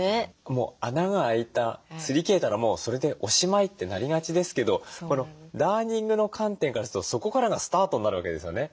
もう穴が開いたすり切れたらもうそれでおしまいってなりがちですけどこのダーニングの観点からするとそこからがスタートになるわけですよね。